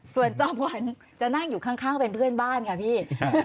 ส่วนจอมขวัญจะนั่งอยู่ข้างเป็นเพื่อนบ้านค่ะพี่